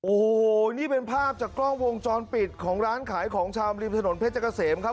โอ้โหนี่เป็นภาพจากกล้องวงจรปิดของร้านขายของชำริมถนนเพชรเกษมครับ